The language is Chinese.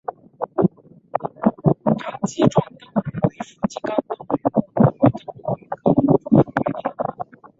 长鳍壮灯鱼为辐鳍鱼纲灯笼鱼目灯笼鱼科壮灯鱼属的鱼类。